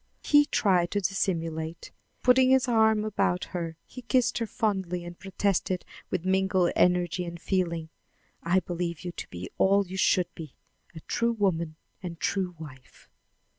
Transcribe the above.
He tried to dissimulate. Putting his arm about her, he kissed her fondly and protested with mingled energy and feeling: "I believe you to be all you should be a true woman and true wife."